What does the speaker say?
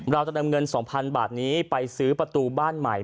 เราจะนำเงิน๒๐๐๐บาทนี้ไปซื้อประตูบ้านใหม่